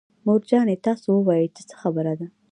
مور جانې تاسو ووايئ چې څه خبره ده.